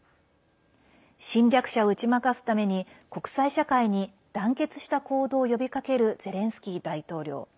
侵略者を打ち負かすために国際社会に団結した行動を呼びかけるゼレンスキー大統領。